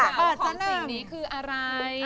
ของสิ่งนี้คืออะไร